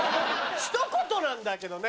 ひと言なんだけどね。